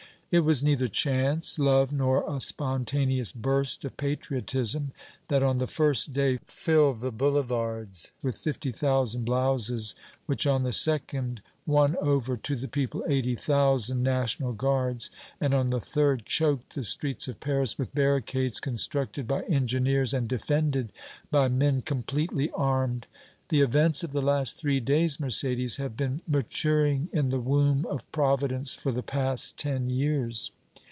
It was neither chance, love, nor a spontaneous burst of patriotism that, on the first day, filled the boulevards with fifty thousand blouses, which on the second won over to the people eighty thousand National Guards, and on the third choked the streets of Paris with barricades constructed by engineers and defended by men completely armed. The events of the last three days, Mercédès, have been maturing in the womb of Providence for the past ten years.